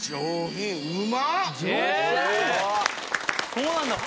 そうなんだ。